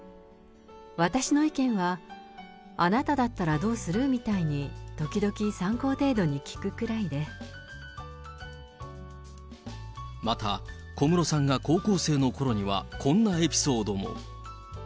私の意見は、あなただったらどうする？みたいに、また、小室さんが高校生のころには、こんなエピソードも。